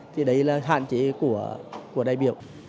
thì đấy là hạn chế của đại biểu